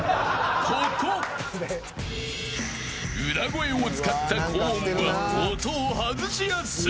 ここ、裏声を使った高音が音を外しやすい。